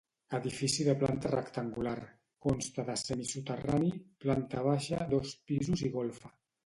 Edifici de planta rectangular, consta de semisoterrani, planta baixa, dos pisos i golfa.